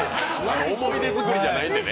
思い出作りじゃないんでね。